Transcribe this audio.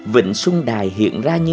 vịnh xuân đài hiện ra như